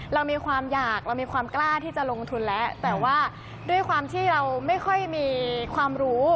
เรามีความอยากเรามีความกล้าที่จะลงทุนแล้วแต่ว่าด้วยความที่เราไม่ค่อยมีความรู้